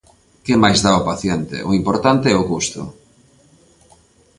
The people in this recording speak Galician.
¡Que máis dá o paciente, o importante é o custo!